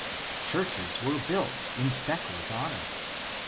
Churches were built in Thecla's honor.